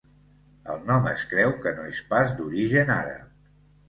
El nom es creu que no és pas d'origen àrab.